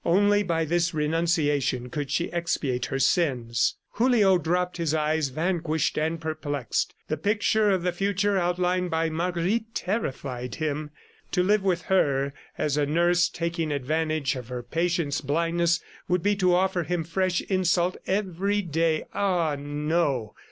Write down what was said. Only by this renunciation could she expiate her sins. Julio dropped his eyes, vanquished and perplexed. The picture of the future outlined by Marguerite terrified him. To live with her as a nurse taking advantage of her patient's blindness would be to offer him fresh insult every day. ... Ah, no!